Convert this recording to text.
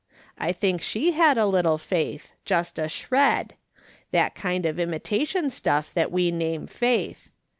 I think she had a little faith, just a shred ; that kind of imitation stuff that we name faith.